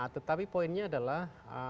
tetapi poinnya adalah